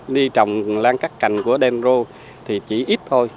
đi trồng lan cắt cành của đen rô thì chỉ ít thôi